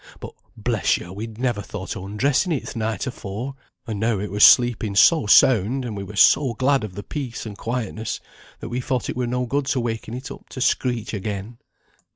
But bless yo', we'd never thought o' undressing it th' night afore, and now it were sleeping so sound, and we were so glad o' the peace and quietness, that we thought it were no good to waken it up to screech again.